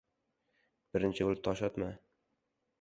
• Birinchi bo‘lib tosh otma.